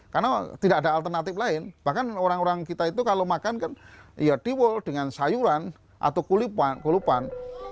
karena tidak ada alternatif lain bahkan orang orang kita itu kalau makan kan diwul dengan sayuran atau kulipan